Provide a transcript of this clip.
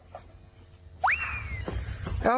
ออกมา